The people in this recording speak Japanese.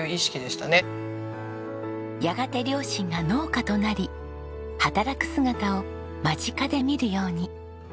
やがて両親が農家となり働く姿を間近で見るように。